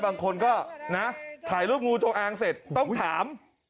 บางคนก็นะถ่ายรูปงูจงอางเสร็จต้องถาม